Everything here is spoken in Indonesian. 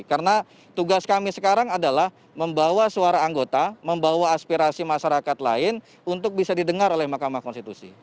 karena tugas kami sekarang adalah membawa suara anggota membawa aspirasi masyarakat lain untuk bisa didengar oleh mahkamah konstitusi